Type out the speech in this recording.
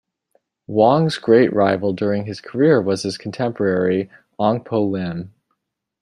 Wong's great rival during his career was his contemporary Ong Poh Lim.